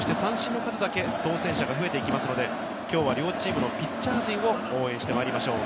そして三振の数だけ当選者が増えていきますので、きょうは両チームのピッチャー陣を応援してみてください。